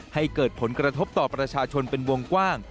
ให้เกิดผลกระทบต่อประชาชนเป็นวงกว้าง